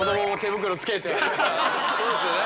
そうですよね。